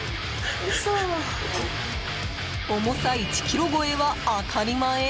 重さ１ｋｇ超えは当たり前？